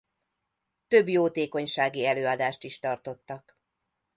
Több jótékonysági előadást is tartottak.